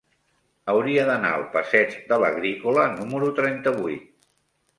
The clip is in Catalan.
Hauria d'anar al passeig de l'Agrícola número trenta-vuit.